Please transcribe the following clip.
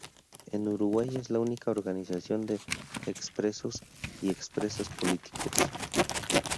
En Uruguay es la única organización de ex-presos y ex-presas políticos.